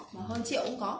mà hơn triệu cũng có